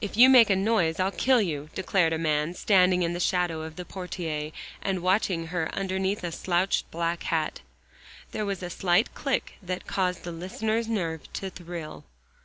"If you make a noise I'll kill you," declared a man, standing in the shadow of a portiere and watching her underneath a slouched black hat. There was a slight click that caused the listener's nerves to thrill.